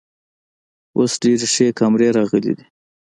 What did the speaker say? اوس ډیرې ښې کامرۍ راغلی ده